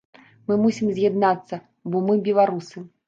Мы мусім з'яднацца, бо мы беларусы.